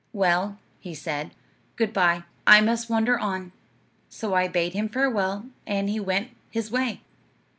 "'Well,' he said, 'good bye. I must wander on.' So I bade him farewell, and he went his way.